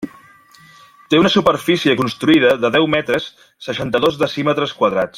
Té una superfície construïda de deu metres, seixanta-dos decímetres quadrats.